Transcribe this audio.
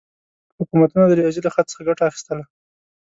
حکومتونه د ریاضي له خط څخه ګټه اخیستله.